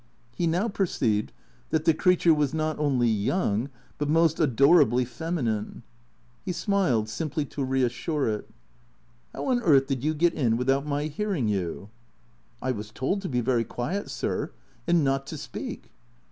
He now perceived that the creature was not only young but most adorably feminine. He smiled, simply to reassure it. so THECEEATORS " How on earth did you get in without my hearing you ?"" I was told to be very quiet, sir. And not to speak."